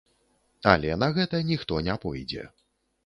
Але на гэта ніхто не пойдзе.